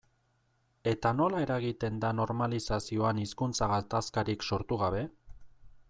Eta nola eragiten da normalizazioan hizkuntza gatazkarik sortu gabe?